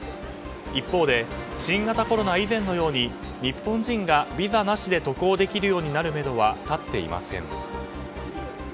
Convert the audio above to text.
一方で新型コロナ以前のように日本人がビザなしで渡航できるようになるめどは立っていません。